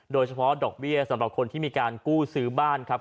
โดยเฉพาะดอกเบี้ยสำหรับคนที่มีการกู้ซื้อบ้านครับ